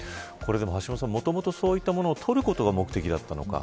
橋下さん、もともとそういったものを取ることが目的だったのか。